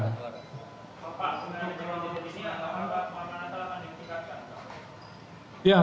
bapak sebenarnya menjelaskan di sini alamat alamat pengamanan telah dimitigakan